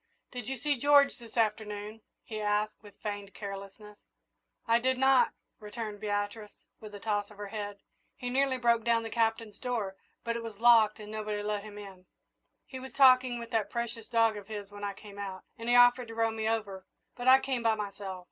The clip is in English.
"Did you see George this afternoon?" he asked, with feigned carelessness. "I did not," returned Beatrice, with a toss of her head. "He nearly broke down the Captain's door, but it was locked and nobody let him in. He was talking with that precious dog of his when I came out, and he offered to row me over, but I came by myself."